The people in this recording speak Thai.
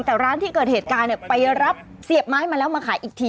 แต่ร้านที่เกิดเหตุการณ์ไปรับเสียบไม้มาแล้วมาขายอีกที